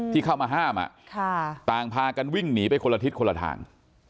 ที่เข้ามาห้ามต่างพากันวิ่งหนีไปคนละทิศคนละทาง